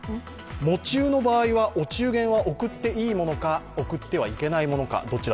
喪中の場合はお中元は贈っていいものか、贈ってはいけないものか。